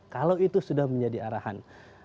kalau itu sudah menjadi arahan